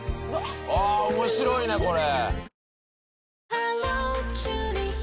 ああ面白いねこれ。